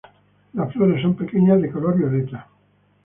Las flores son pequeñas de color violeta.